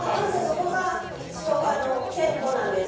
そこが一応店舗なんです。